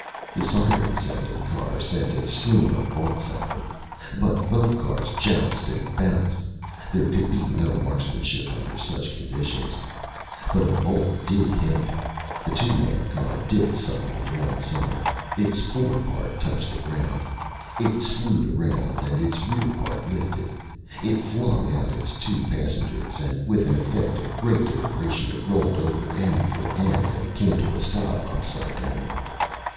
The siren sounding car send a stream of bolts at them. But both cars jounced and bounced. There could be no marksmanship under such conditions. But a bolt did hit. The two man car dipped suddenly to one side. Its fore part touched ground. It slued around, and its rear part lifted. It flung out its two passengers and with an effect of great deliberation it rolled over end for end and came to a stop upside down.